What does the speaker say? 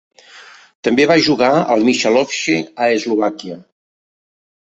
També va jugar al Michalovce a Eslovàquia.